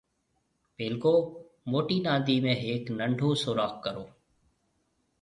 پيلڪو موٽِي نادِي ۾ ھيَََڪ ننڊو سوراخ ڪرو